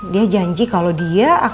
dia janji kalau dia akan menangis